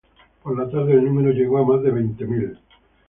Por la tarde el número llegó a más de veinte mil.